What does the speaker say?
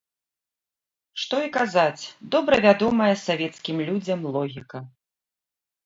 Што і казаць, добра вядомая савецкім людзям логіка.